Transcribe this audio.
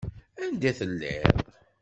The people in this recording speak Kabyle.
Anda i telliḍ?